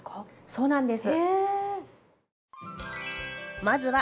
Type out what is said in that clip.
そうなんです。